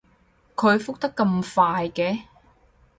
佢覆得咁快嘅